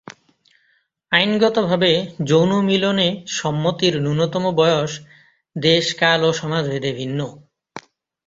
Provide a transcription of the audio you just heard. আইনগতভাবে যৌন মিলনে সম্মতির ন্যূনতম বয়স দেশ, কাল ও সমাজ ভেদে ভিন্ন।